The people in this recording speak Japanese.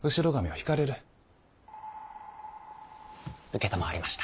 承りました。